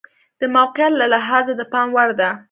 د موقعیت له لحاظه د پام وړ ده.